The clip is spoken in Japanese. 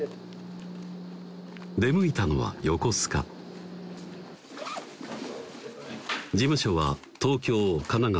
出向いたのは横須賀事務所は東京神奈川